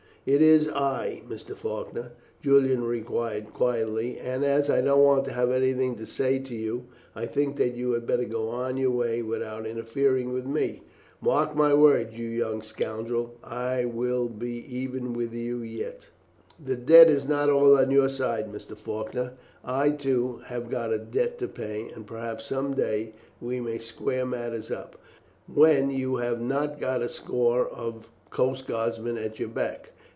"It is I, Mr. Faulkner," Julian replied quietly; "and as I don't want to have anything to say to you, I think that you had better go on your way without interfering with me." "Mark my words, you young scoundrel, I will be even with you yet." "The debt is not all on your side, Mr. Faulkner. I, too, have got a debt to pay; and perhaps some day we may square matters up, when you have not got a score of coast guardsmen at your back.